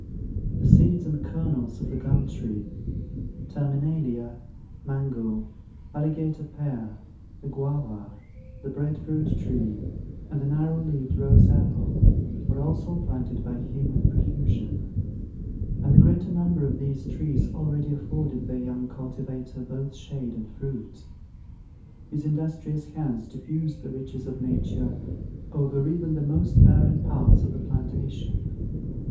The seeds and kernels of the gum tree, terminalia, mango, alligator pear, the guava, the bread fruit tree, and the narrow leaved rose apple, were also planted by him with profusion: and the greater number of these trees already afforded their young cultivator both shade and fruit. His industrious hands diffused the riches of nature over even the most barren parts of the plantation.